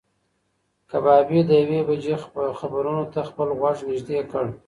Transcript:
کبابي د یوې بجې خبرونو ته خپل غوږ نږدې کړ.